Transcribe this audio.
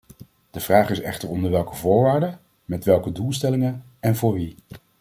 De vraag is echter onder welke voorwaarden, met welke doelstellingen en voor wie.